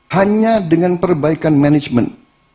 hanya dengan perbaikan manajemen